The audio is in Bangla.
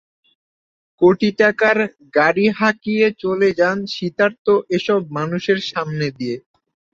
কোটি টাকার গাড়ি হাঁকিয়ে চলে যান শীতার্ত এসব মানুষের সামনে দিয়ে।